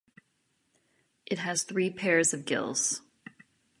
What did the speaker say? It has three pairs of gills.